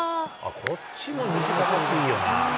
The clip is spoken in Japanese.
こっちも虹かかっていいよな。